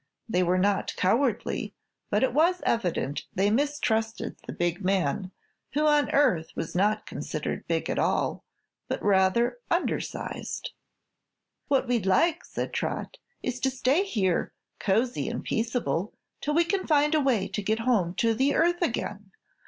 They were not cowardly, but it was evident they mistrusted the big man, who on Earth was not considered big at all, but rather undersized. "What we'd like," said Trot, "is to stay here, cosy an' peaceable, till we can find a way to get home to the Earth again.